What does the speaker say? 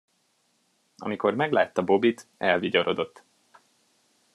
Amikor meglátta Bobbyt, elvigyorodott.